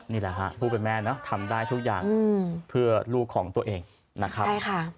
นี่แหละค่ะลูกเป็นแม่ทำได้ทุกอย่างเพื่อลูกของตัวเองนะครับ